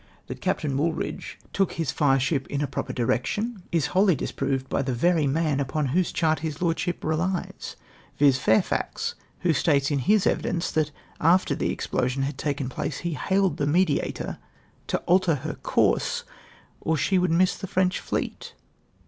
That Captain . Wooldiidge took his fireship in " a proper dh'ection," is whoUy disproved by the very man upon whose chart his lordship relies ; viz. Fau'fax, who states in his evidence that after the explosion had taken place he " hailecl the Mediator to alter her COURSE, OR SHE WOULD MISS THE FrEXCH FLEET